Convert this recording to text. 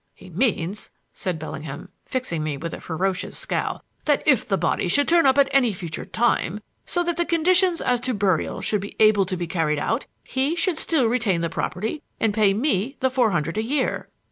"He means," said Bellingham, fixing me with a ferocious scowl, "that if the body should turn up at any future time, so that the conditions as to burial should be able to be carried out, he should still retain the property and pay me the four hundred a year."